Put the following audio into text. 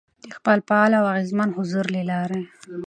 ، د خپل فعال او اغېزمن حضور له لارې،